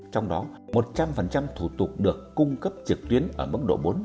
trong đó một trăm linh thủ tục được cung cấp trực tuyến ở mức độ bốn